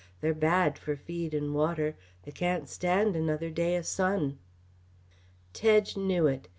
They're bad f'r feed and water they can't stand another day o' sun!" Tedge knew it.